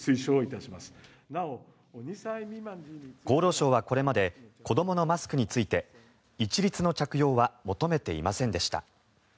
厚労省はこれまで子どものマスクについて一律の着用は求めていませんでした。